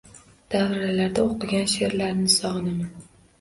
Davralarda o`qigan she`rlaringni sog`inaman